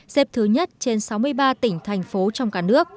xếp thứ nhất trên sáu mươi ba tỉnh thành phố trong cả nước